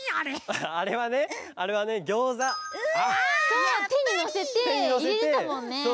そうてにのせていれてたもんね。